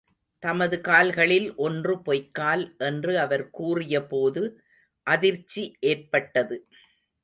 தமது கால்களில் ஒன்று பொய்க்கால், என்று அவர் கூறிய போது அதிர்ச்சி ஏற்பட்டது.